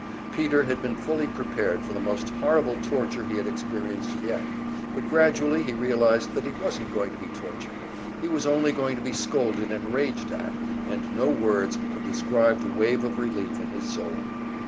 Peter had been fully prepared for the most horrible torture he had experienced yet; but gradually he realized that he wasn't going to be tortured, he was only going to be scolded and raged at, and no words could describe the wave of relief in his soul.